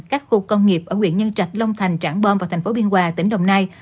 các khu công nghiệp ở quyện nhân trạch long thành trảng bom và thành phố biên hòa tỉnh đồng nai